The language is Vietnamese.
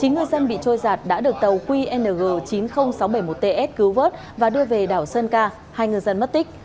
chín ngư dân bị trôi giạt đã được tàu qng chín mươi nghìn sáu trăm bảy mươi một ts cứu vớt và đưa về đảo sơn ca hai ngư dân mất tích